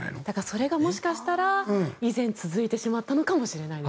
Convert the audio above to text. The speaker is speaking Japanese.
それがもしかしたら以前続いてしまったのかもしれないです。